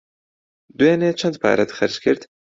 دوێنێ چەند پارەت خەرج کرد؟